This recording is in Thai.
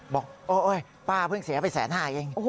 บอกโอ๊ยป้าเพิ่งเสียไปแสนห้าเอง